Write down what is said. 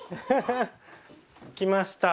来ました。